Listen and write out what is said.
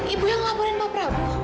ibu yang melaporkan bapak prabu